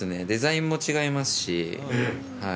デザインも違いますし。